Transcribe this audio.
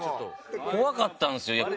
怖かったんですよ。